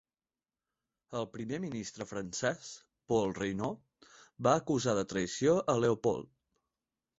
El primer ministre francès, Paul Reynaud, va acusar de traïció a Leopold.